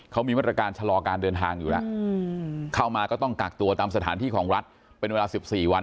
เขามีมาตรการชะลอการเดินทางอยู่แล้วเข้ามาก็ต้องกักตัวตามสถานที่ของรัฐเป็นเวลา๑๔วัน